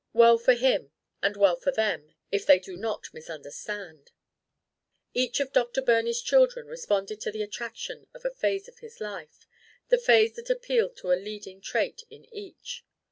Well for him and well for them if they do not misunderstand! Each of Dr. Birney's children responded to the attraction of a phase of his life the phase that appealed to a leading trait in each.